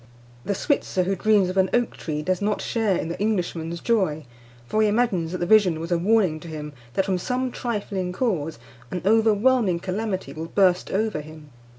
The Switzer who dreams of an oak tree does not share in the Englishman's joy; for he imagines that the vision was a warning to him that, from some trifling cause, an overwhelming calamity will burst over him.